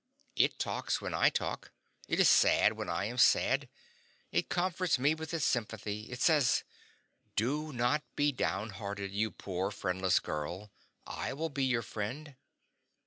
It talks when I talk; it is sad when I am sad; it comforts me with its sympathy; it says, "Do not be downhearted, you poor friendless girl; I will be your friend."